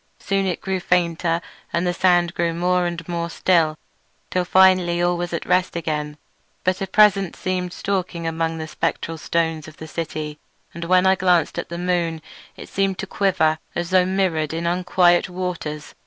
Soon it grew fainter and the sand grew more and more still, till finally all was at rest again; but a presence seemed stalking among the spectral stones of the city, and when I glanced at the moon it seemed to quiver as though mirrored in unquiet waters.